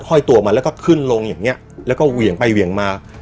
ห้อยตัวมาแล้วก็ขึ้นลงอย่างเงี้ยแล้วก็เหวี่ยงไปเหวี่ยงมา